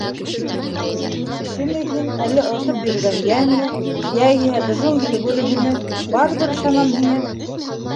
Кешеме һин, әллә осоп йөрөгән йәнме, йәиһә джунгли бүреһеме — барыбер ышанам һиңә.